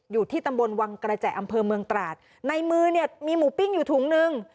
อยู่ที่ตำบลวังกระแจอำเภอเมืองตราดในมือเนี่ยมีหมูปิ้งอยู่ถุงนึง